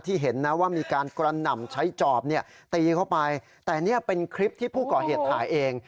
เห็นนะว่ามีการกระหน่ำใช้จอบเนี่ยตีเข้าไปแต่นี่เป็นคลิปที่ผู้ก่อเหตุถ่ายเอง